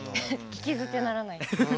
聞き捨てならないな。